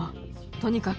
とにかく。